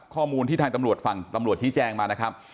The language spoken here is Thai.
ข้อมูลที่ทางตำรวจฟังตำรวจชี้แจงมานะครับ